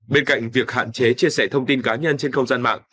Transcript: bên cạnh việc hạn chế chia sẻ thông tin cá nhân trên không gian mạng